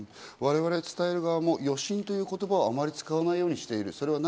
我々、伝える側も余震という言葉をあまり使わないようにしている。